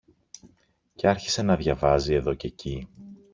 Και άρχισε να διαβάζει εδώ κι εκεί